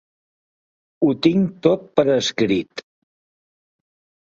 Ho tinc tot per escrit.